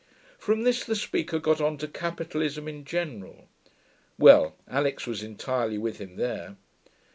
From this the speaker got on to capitalism in general. Well, Alix was entirely with him there.